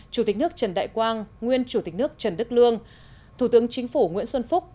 chủ tịch nước trần đại quang nguyên chủ tịch nước trần đức lương thủ tướng chính phủ nguyễn xuân phúc